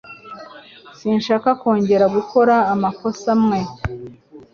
Sinshaka kongera gukora amakosa amwe